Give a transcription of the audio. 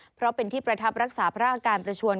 เพราะเป็นที่ประทับรักษาพระอาการประชวน